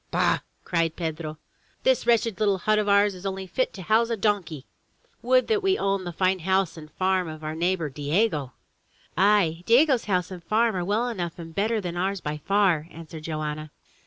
"Bah!'' cried Pedro. "This wretched little hut of ours is only fit to house a donkey! Would that we owned the fine house and farm of our neighbor, Diego!" "Aye! Diego's house and farm are well enough and better than ours by far," answered Joanna.